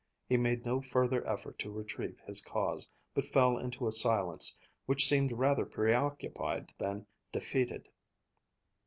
He made no further effort to retrieve his cause, but fell into a silence which seemed rather preoccupied than defeated.